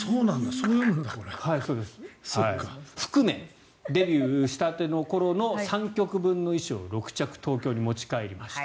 それを含めデビューしたての頃の３曲分６着の衣装を東京に持ち帰りました。